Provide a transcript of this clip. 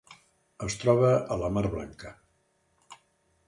Es troba a la Mar Blanca.